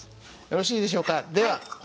よろしいでしょうか？